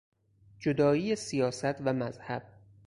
جدایی سیاست و مذهب